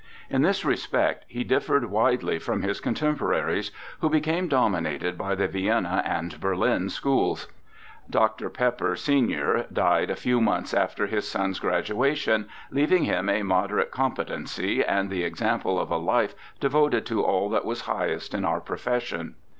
In this respect he differed widely from his contemporaries, who became dominated by the Vienna and Berlin Schools. Dr. Pepper, sen., died a few months after his son's graduation, leaving him a moderate competency, and the example of a life devoted to all that was highest in our profession.